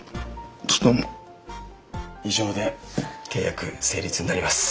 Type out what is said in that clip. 以上で契約成立になります。